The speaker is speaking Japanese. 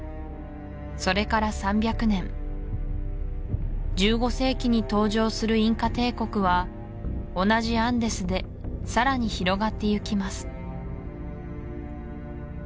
それから３００年１５世紀に登場するインカ帝国は同じアンデスでさらに広がっていきます